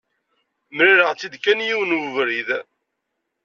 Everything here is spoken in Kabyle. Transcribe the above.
Mlaleɣ-tt-id kan yiwen webrid.